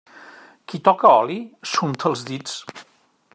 Qui toca oli, s'unta els dits.